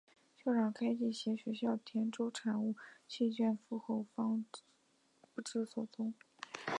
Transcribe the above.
校长开济携学校田洲产物契券赴后方后不知所踪。